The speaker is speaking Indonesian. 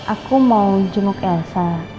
aku mau jenguk elsa